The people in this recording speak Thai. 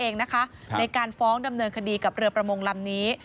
ในการฟ้องดำเนินคดีกับเรือประมงลำนี้